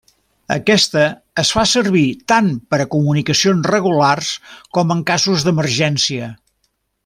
Aquesta es fa servir tant per a comunicacions regulars com en casos d'emergència.